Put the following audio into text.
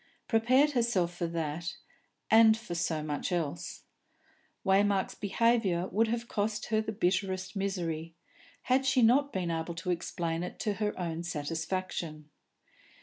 Prepared herself, for that, and for so much else. Waymark's behaviour would have cost her the bitterest misery, had she not been able to explain it to her own satisfaction.